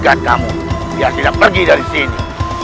aku ikat kamu biar tidak pergi dari sini